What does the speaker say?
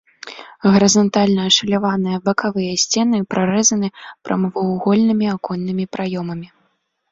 Гарызантальна ашаляваныя бакавыя сцены прарэзаны прамавугольнымі аконнымі праёмамі.